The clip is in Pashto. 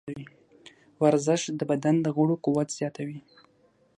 ورزش د بدن د غړو قوت زیاتوي.